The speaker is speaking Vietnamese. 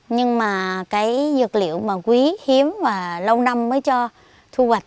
nhưng mà cái dược liệu mà quý hiếm mà lâu năm mới cho thu hoạch